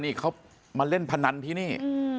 นี่เขามาเล่นพนันที่นี่